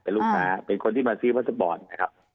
เป็นลูกค้าเป็นคนที่มาซื้อวัสบอลนะครับ